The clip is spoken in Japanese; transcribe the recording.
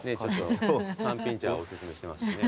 さんぴん茶をお薦めしてますしね。